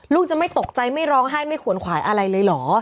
ลูกจะไม่ตกใจไม่ร้องไห้ไม่ขวนขวายอะไรเลยเหรอ